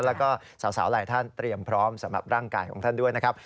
แล้วก็สาวหลายท่านเตรียมพร้อมสำหรับร่างกายของท่านด้วยนะครับ